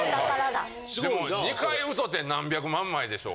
でも２回歌て何百万枚でしょ。